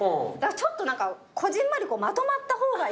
ちょっと何かこぢんまりまとまった方がいいんだよね。